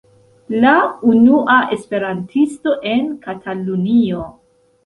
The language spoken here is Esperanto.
La unua Esperantisto en Katalunio.